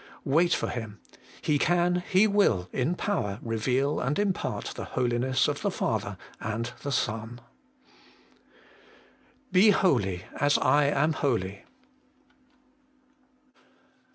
Wait for Him He can, He will in power reveal and impart the Holiness of the Father and the Son. 1 BE HOLY, AS I AM HOLY.